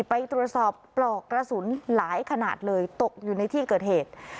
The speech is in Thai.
ไปตรวจสอบปลอกกระสุนหลายขนาดเลยตกอยู่ในที่เกิดเหตุ